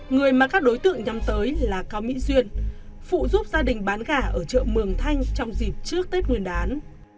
người mà các đối tượng nhắm tới là cao mỹ duyên phụ giúp gia đình bán gà ở chợ mường thanh trong dịp trước tết nguyên đán